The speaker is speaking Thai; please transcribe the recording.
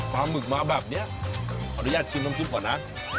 หมึกมาแบบนี้ขออนุญาตชิมน้ำซุปก่อนนะ